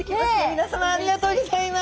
皆さまありがとうギョざいます。